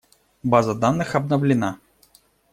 База данных обновлена.